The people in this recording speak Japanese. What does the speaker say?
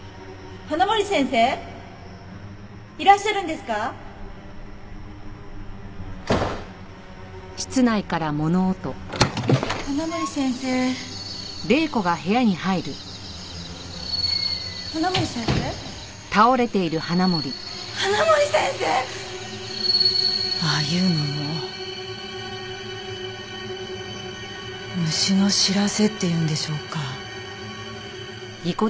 ああいうのも虫の知らせっていうんでしょうか？